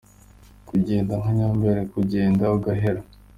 Kugenda nka nyomberi” : Kugenda ugahera.